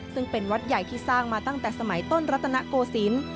ซึ่งเป็นวัดใหญ่ที่สร้างมาตั้งแต่สมัยต้นรัตนโกศิลป์